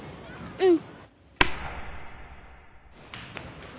うん。